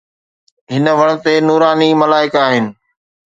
هن وڻ تي نواراڻي ملائڪ آهن.